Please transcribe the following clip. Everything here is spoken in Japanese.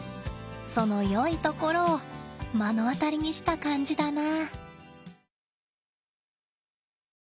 そのよいところを目の当たりにした感じだな。